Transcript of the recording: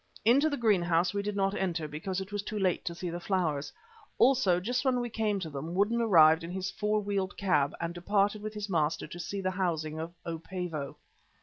Into the greenhouse we did not enter, because it was too late to see the flowers. Also, just when we came to them, Woodden arrived in his four wheeled cab and departed with his master to see to the housing of "O. Pavo."